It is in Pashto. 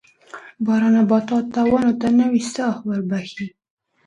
باران نباتاتو او ونو ته نوې ساه وربخښي